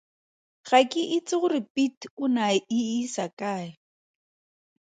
Ga ke itse gore Piet o ne a e isa kae.